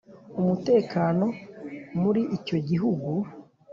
Umutekano muri icyo gihugu